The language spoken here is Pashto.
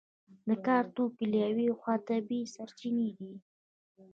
د کار توکي له یوې خوا طبیعي سرچینې دي.